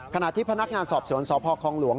ขณะที่พนักงานสอบสวนสพคลองหลวง